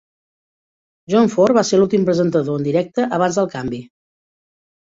John Ford va ser l'últim presentador en directe abans del canvi.